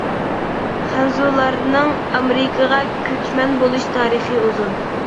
خەنزۇلارنىڭ ئامېرىكىغا كۆچمەن بولۇش تارىخى ئۇزۇن.